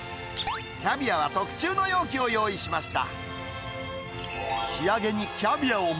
キャビアは特注の容器を用意しました。